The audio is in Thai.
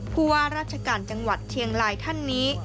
ผู้ว่าราชการจังหวัดเชียงรายท่านนี้